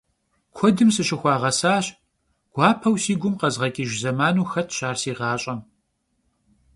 Kuedım sışıxuağesaş, guapeu si gum khezğeç'ıjj zemanu xetş ar si ğaş'em.